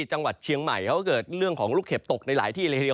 จังหวัดเชียงใหม่เขาก็เกิดเรื่องของลูกเห็บตกในหลายที่เลยทีเดียว